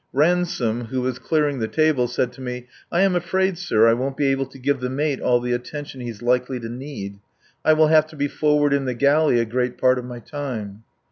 Ransome, who was clearing the table, said to me: "I am afraid, sir, I won't be able to give the mate all the attention he's likely to need. I will have to be forward in the galley a great part of my time."